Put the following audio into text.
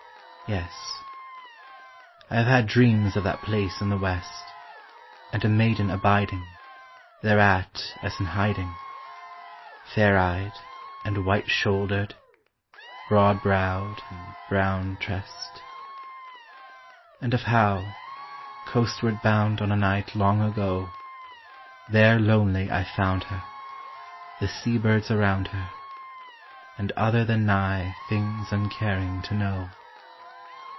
Yes. I have had dreams of that place in the West, And a maiden abiding Thereat as in hiding; Fair eyed and white shouldered, broad browed and brown tressed. And of how, coastward bound on a night long ago, There lonely I found her, The sea birds around her, And other than nigh things uncaring to know.